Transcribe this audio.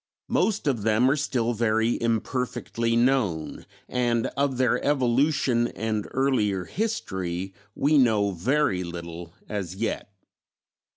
Most of them are still very imperfectly known, and of their evolution and earlier history we know very little as yet.